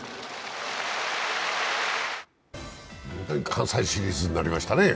関西シリーズになりましたね。